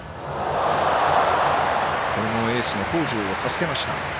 これもエースの北條が助けました。